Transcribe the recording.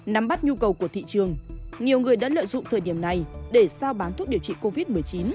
nắm bắt nhu cầu của thị trường nhiều người đã lợi dụng thời điểm này để sao bán thuốc điều trị covid một mươi chín